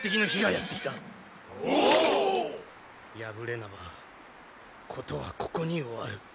破れなば事はここに終わる。